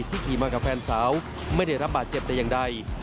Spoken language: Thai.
ขี่มากับแฟนสาวไม่ได้รับบาดเจ็บแต่อย่างใด